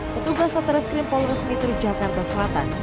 ketugas satreskrim polresmitru jakarta selatan